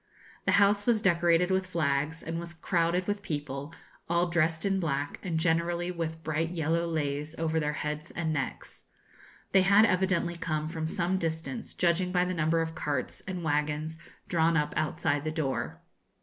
The house was decorated with flags, and was crowded with people, all dressed in black, and generally with bright yellow leis over their heads and necks. They had evidently come from some distance, judging by the number of carts and wagons drawn up outside the door.